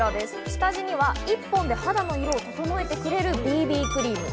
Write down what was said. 下地には１本で肌の色を整えてくれるＢＢクリーム。